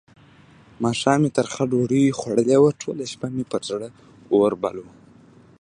ماښام مې ترخه ډوډۍ خوړلې وه؛ ټوله شپه مې پر زړه اور بل وو.